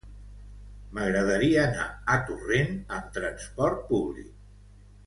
M'agradaria anar a Torrent amb trasport públic.